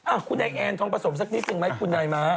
อ้าวคุณนายแอนความผสมสักนิดหนึ่งไหมคุณนายม้า